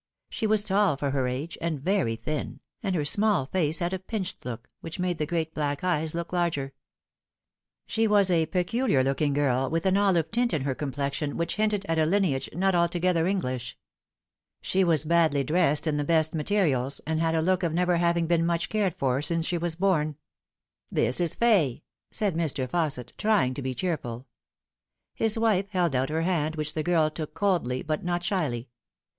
She was tall for her age, and very thin, and her small face had a pinched look, which made the great black eyes look larger. She was a peculiar looking girl, with an olive tint in her complexion which hinted at a lineage not altogether English. She was badly dressed in the best materials, and had a look of never having been much cared for since she was born. " This is Fay," said Mr. Fausset, trying to be cheerful. Hig wife held out her hand, which the girl took coldly, but not shyly.